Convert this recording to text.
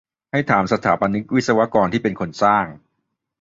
ให้ถามสถาปนิก-วิศวกร ที่เป็นคนสร้าง